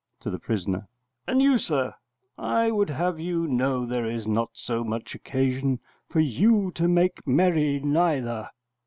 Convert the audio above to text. [To the prisoner]: And you, sir, I would have you know there is not so much occasion for you to make merry neither.